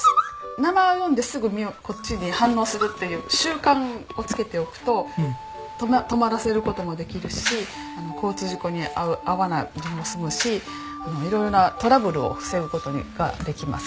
名前を呼んですぐこっちに反応するっていう習慣をつけておくと止まらせる事もできるし交通事故に遭わなくて済むし色々なトラブルを防ぐ事ができます。